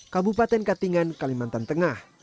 kabupaten katingan kalimantan tengah